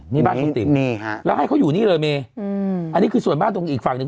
นี่บ้านคุณติ๋มนี่ฮะแล้วให้เขาอยู่นี่เลยเมอืมอันนี้คือส่วนบ้านตรงอีกฝั่งหนึ่ง